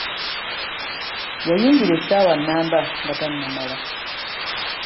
Yayungira essaawa nnamba nga tanamala!